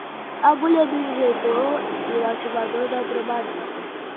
Agulha do injetor e o ativador da dobradiça